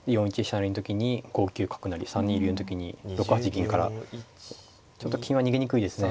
成の時に５九角成３二竜の時に６八銀からちょっと金は逃げにくいですね。